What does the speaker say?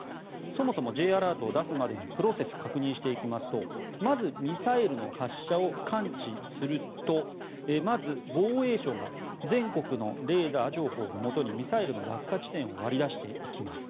そもそもＪアラートを出すまでのプロセスを確認していきますとまずミサイルの発射を感知するとまず、防衛省が全国のレーダー情報をもとにミサイルの落下地点を割り出していきます。